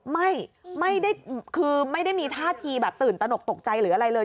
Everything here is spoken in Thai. ไม่ไม่ได้มีท่าทีตื่นตนกตกใจหรืออะไรเลย